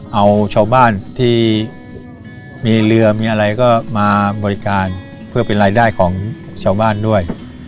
เอาชาวบ้านที่มีเรือมีอะไรก็มาบริการเพื่อเป็นรายได้ของชาวบ้านด้วย